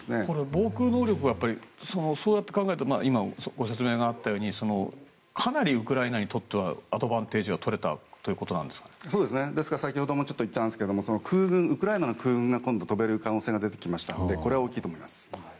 防空能力はそうやって考えると今、ご説明があったようにかなりウクライナにとってはアドバンテージが先ほども言ったんですがウクライナの空軍が今度、飛べる可能性が出てきましたのでこれは大きいと思います。